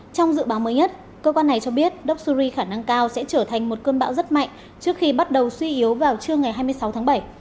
trong dự báo mới nhất cơ quan này cho biết doxury khả năng cao sẽ trở thành một cơn bão rất mạnh trước khi bắt đầu suy yếu vào trưa ngày hai mươi sáu tháng bảy